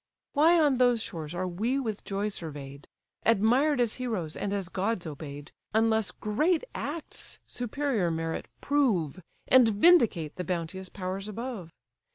Why on those shores are we with joy survey'd, Admired as heroes, and as gods obey'd, Unless great acts superior merit prove, And vindicate the bounteous powers above?